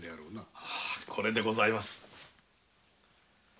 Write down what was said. これでございます。